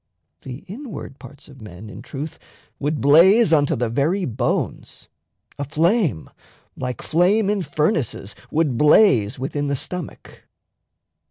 The inward parts of men, In truth, would blaze unto the very bones; A flame, like flame in furnaces, would blaze Within the stomach.